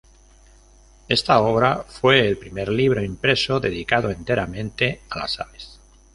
Esta obra fue el primer libro impreso dedicado enteramente a las aves.